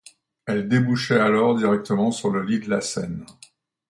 Elle débouchait alors directement sur le lit de la Seine.